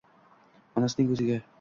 Onasining ko‘ziga